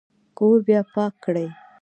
کور بیا پاک کړئ